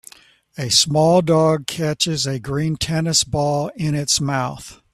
A small dog catches a green tennis ball in its mouth